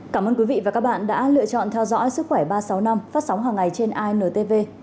cảm ơn quý vị và các bạn đã lựa chọn theo dõi sức khỏe ba trăm sáu mươi năm phát sóng hàng ngày trên intv